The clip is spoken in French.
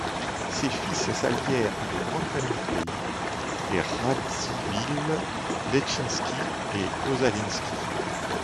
Ses fils s'allièrent à de grandes familles du pays, les Radziwill, Lesczynski et Osalinski.